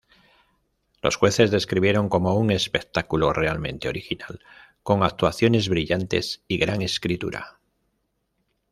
Los jueces describieron como "un espectáculo realmente original con actuaciones brillantes y gran escritura".